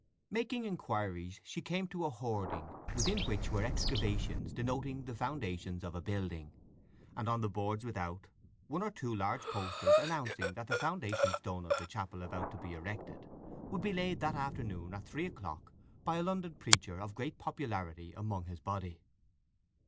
Making inquiries she came to a hoarding, within which were excavations denoting the foundations of a building; and on the boards without one or two large posters announcing that the foundation stone of the chapel about to be erected would be laid that afternoon at three o'clock by a London preacher of great popularity among his body.